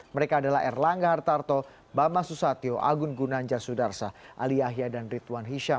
mereka adalah erlangga hartarto bama susatyo agun gunanja sudarsa ali yahya dan ridwan hisham